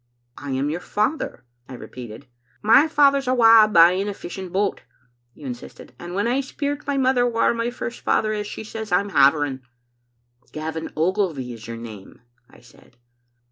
'" 'I am your father, ' I repeated. " *My father's awa buying a fishing boat,' you insist ed; *and when I speir at my mother whaur my first fa ther is, she says I'm havering.' "* Gavin Ogilvy is your name,' I said.